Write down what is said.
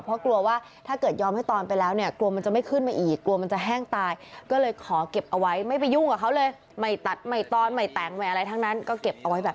เพราะกลัวถ้ายอมให้ตอนไปแล้ว